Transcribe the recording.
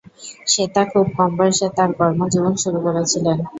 শ্বেতা খুব কম বয়সে তার কর্মজীবন শুরু করেছিলেন।